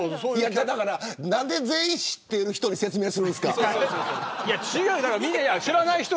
何で全員知っている人に説明するんですか。